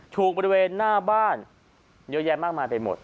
บริเวณหน้าบ้านเยอะแยะมากมายไปหมด